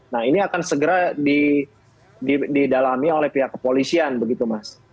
nah ini akan segera didalami oleh pihak kepolisian begitu mas